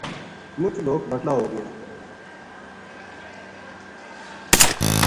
مچ لوک بَٹلا ہو گیا